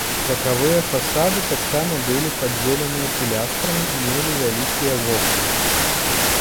Бакавыя фасады таксама былі падзеленыя пілястрамі і мелі вялікія вокны.